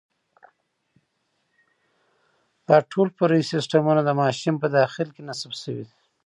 دا ټول فرعي سیسټمونه د ماشین په داخل کې نصب شوي دي.